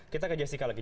kita ke jessica lagi